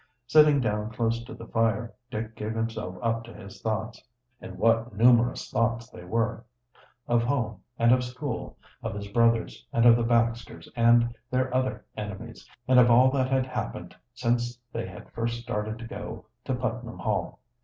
Sitting down close to the fire, Dick gave himself up to his thoughts. And what numerous thoughts they were of home and of school, of his brothers, and of the Baxters and their other enemies, and of all that had happened since they had first started to go to Putnam Hall.